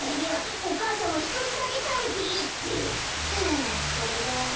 あこれだよ。